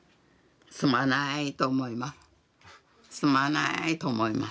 すまないと思います。